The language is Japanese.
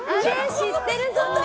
知ってるぞ。